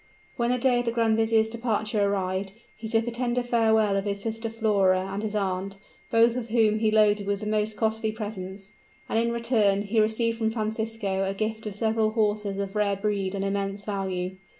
When the day of the grand vizier's departure arrived, he took a tender farewell of his sister Flora and his aunt, both of whom he loaded with the most costly presents; and in return, he received from Francisco a gift of several horses of rare breed and immense value.